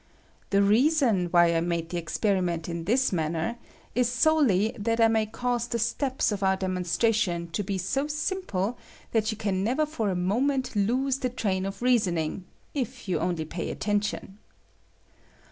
The reason why I make the ex periment in this manner is solely that I may P cause the st^ps of our demonstration to be so simple that you can never for a moment lose the train of reasoning, if you only pay attention.